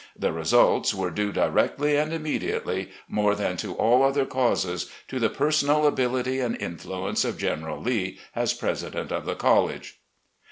The results ... were due directly and immediately, more than to all other causes, to the personal ability and influence of General L«ee as president of the college."